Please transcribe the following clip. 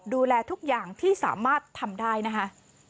ดูแลทุกอย่างที่สามารถทำได้นะคะ